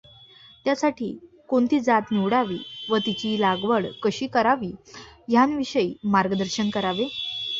त्यासाठी कोणती जात निवडावी व तिची लागवड कशी करावी ह्यांविषयी मार्गदर्शन करावे.